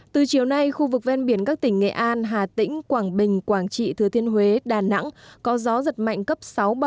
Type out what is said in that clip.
từ chiều nay khu vực ven biển các tỉnh nghệ an hà tĩnh quảng bình quảng trị thừa thiên huế đà nẵng có gió giật mạnh cấp sáu bảy